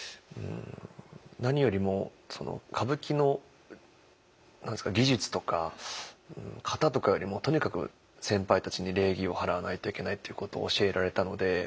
何よりも歌舞伎の技術とか型とかよりもとにかく先輩たちに礼儀を払わないといけないっていうことを教えられたので。